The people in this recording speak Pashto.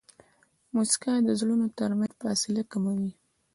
موسکا د زړونو ترمنځ فاصله کموي.